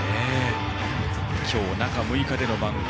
今日、中６日でのマウンド。